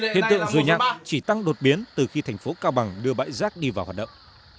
hiện tượng rùa nhặt chỉ tăng đột biến từ khi thành phố cao bằng đưa bãi rác đi vào hoạt động